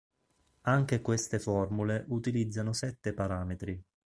Anche queste formule utilizzano sette parametri.